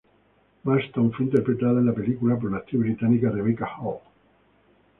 Marston fue interpretada en la película por la actriz británica Rebecca Hall.